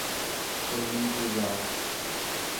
Foi muito legal.